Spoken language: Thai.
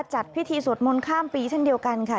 จัดพิธีสวดมนต์ข้ามปีเช่นเดียวกันค่ะ